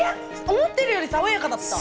思ってるより爽やかだった！